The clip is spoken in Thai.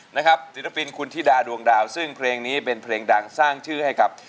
นะครับศิลปินคุณธิดาดวงดาวซึ่งเพลงนี้เป็นเพลงดังสร้างชื่อให้กับ